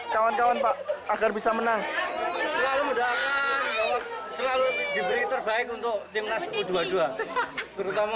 terima kasih om